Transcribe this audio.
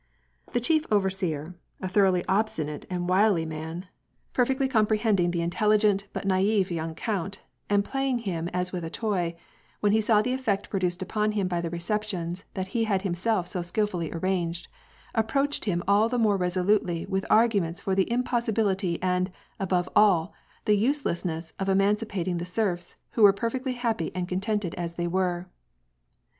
The chief overseer^ a thoroughly obstinate and wily man, WAR AND PEACE. 107 • perfectly comprehending the intelligent but naive young count, and playing with him as with a toy, when he saw the effect produced upon him by the receptions that he had himself so skilfully arranged, approached him all the more resolutely with arguments for the impossibility and, above all, the use lessness of emancipating the serfs, who were perfectly happy and contented as they were.